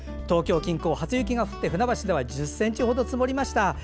東京近郊に初雪が降って船橋では１０ｃｍほど積もりました。